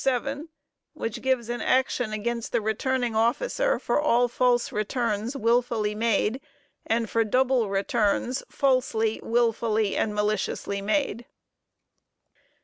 7) which gives an action against the returning officer, for all false returns "wilfully made, and for double returns falsely, wilfully and maliciously made."